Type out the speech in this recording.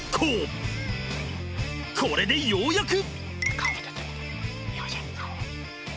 これでようやく。